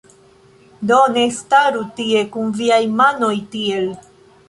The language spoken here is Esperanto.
Do ne staru tie kun viaj manoj tiel